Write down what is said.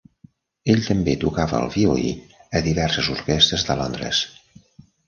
Ell també tocava el violí a diverses orquestres de Londres.